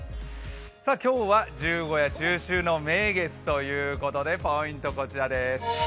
今日は十五夜、中秋の名月ということでポイント、こちらです。